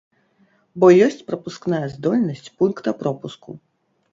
Бо ёсць прапускная здольнасць пункта пропуску.